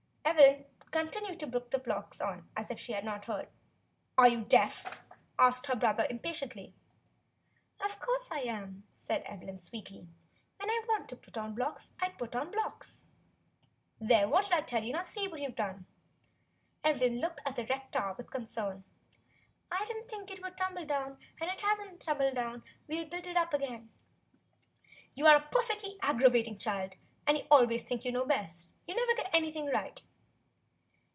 Evelyn continued to put blocks on, as if she had not heard. "Are you deaf?" asked her brother. THE LETTER 7 "Sometimes I am," said Evelyn sweetly. "WTien I want to put on blocks, I want to put on blocks." "There, what did I tell you.^ Now see what you've done!" Evelyn looked at the wTCcked tower with con cern. "I did n't think it would tumble down, and it has n't all tumbled down, and we '11 build it up again." "You are a perfectly aggravating child, and you always think you know best, and you never get any thing right."